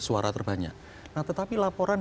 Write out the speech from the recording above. suara terbanyak nah tetapi laporan